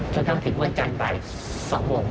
จนต้องถึงวันจันทร์บ่าย๒โมง